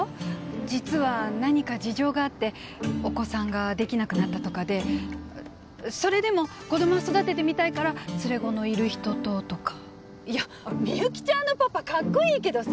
実は何か事情があってお子さんができなくなったとかでそれでも子供は育ててみたいから連れ子のいる人ととかいやみゆきちゃんのパパカッコイイけどさ